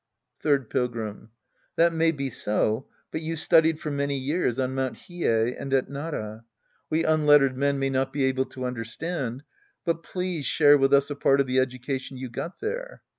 Third Pilgrim. That may be so, but you studied for many years on Mt. Hiei and at Nara. We un lettered men may not be able to understand, but please share with us a part of the education you got there.